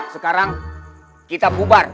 sekarang kita bubar